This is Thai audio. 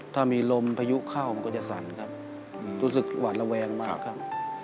ถ้ามีลมพายุเข้ามันก็จะสั่นครับรู้สึกหวาดระแวงมากครับ